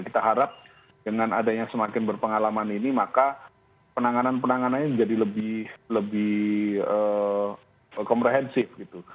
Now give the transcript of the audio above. kita harap dengan adanya semakin berpengalaman ini maka penanganan penanganannya menjadi lebih komprehensif gitu